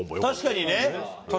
確かにね。